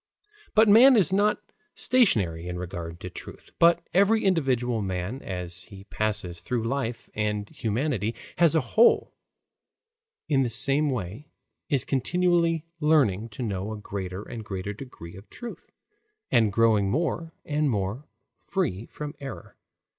But man is not stationary in regard to truth, but every individual man as he passes through life, and humanity as a whole in the same way, is continually learning to know a greater and greater degree of truth, and growing more and more free from error.